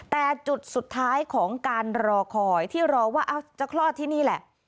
แต่จุดสุดท้ายของการรอคอยที่รอว่าจะคลอดที่นี่แหละ